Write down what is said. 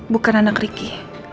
bukan anak riki